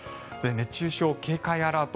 熱中症警戒アラート